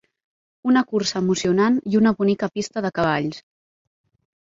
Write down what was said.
Una cursa emocionant i una bonica pista de cavalls.